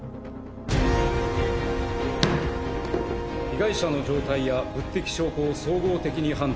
被害者の状態や物的証拠を総合的に判断すると。